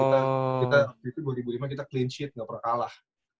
waktu itu dua ribu lima kita clean sheet gak pernah kalah